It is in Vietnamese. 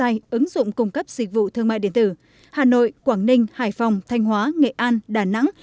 website ứng dụng cung cấp dịch vụ thương mại điện tử hà nội quảng ninh hải phòng thanh hóa nghệ an đà nẵng